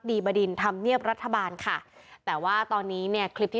บดินธรรมเนียบรัฐบาลค่ะแต่ว่าตอนนี้เนี่ยคลิปที่